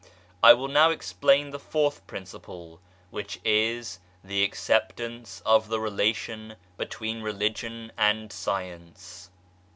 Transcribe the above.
I will now explain the Fourth Principle* which is The Acceptance of the Relation between Religion and Science.